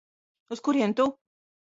Uz kurieni tu?